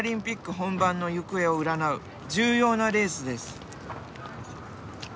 本番の行方を占う重要なレースです。